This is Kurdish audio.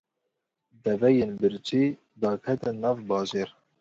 Deveyên birçî daketin nav bajêr.